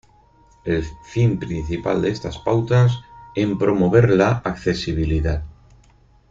El fin principal de estas pautas en promover la accesibilidad.